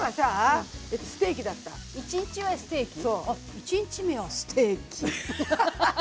１日目はステーキ。